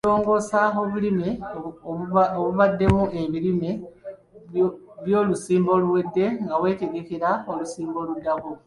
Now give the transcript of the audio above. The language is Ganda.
Okulongoosa obulime obubaddemu ebirime by'olusimba oluwedde nga weetegekera olusimba oluddako.